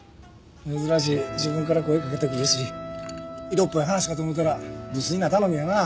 珍しい自分から声かけてくるし色っぽい話かと思ったら無粋な頼みやな。